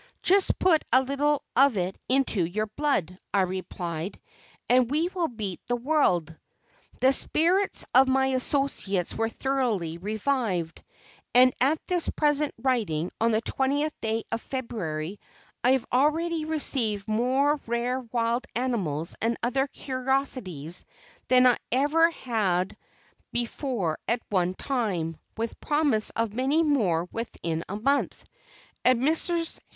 "Just put a little of it into your blood," I replied, "and we will beat the world." The spirits of my associates were thoroughly revived, and at this present writing, on the 20th day of February, I have already received more rare wild animals and other curiosities than I ever had before at one time, with promise of many more within a month, and Messrs.